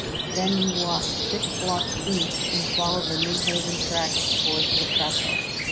Then you walk six blocks east and follow the New Haven tracks toward the trestle.